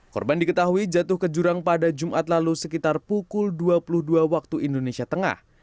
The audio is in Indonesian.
korban diketahui jatuh ke jurang pada jumat lalu sekitar pukul dua puluh dua waktu indonesia tengah